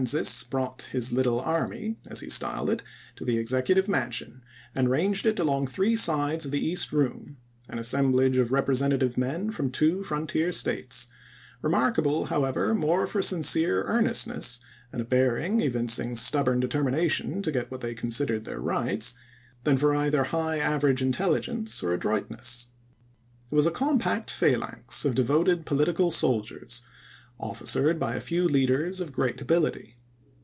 sas brought " his little army," as he styled it, to the Executive Mansion, and ranged it along three sides of the East Room — an assemblage of representative men from two frontier States; remarkable, how ever, more for sincere earnestness, and a bearing evincing stubborn determination to get what they considered their rights, than for either high aver age intelligence or adroitness. It was a compact phalanx of devoted political soldiers, officered by a few leaders of gi'eat ability.